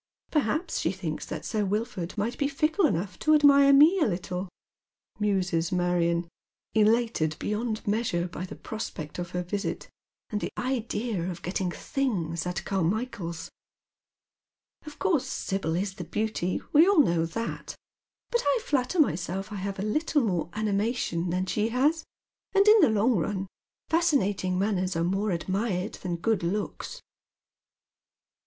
" Perhaps she thinks that Sir Wilford might be fickle enough to admire me a httle," muses Marion, elated beyond measure by the prospect of her visit, and the idea of getting *' things" at Carmichael's. '* Of course Sibyl is the beauty, we all know that ; but I flatter myself I have a little more animation than she has, and in the long run, fascinating manners are more admired than good looks."